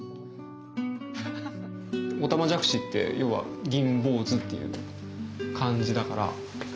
おたまじゃくしって要はギンボウズっていう感じだから。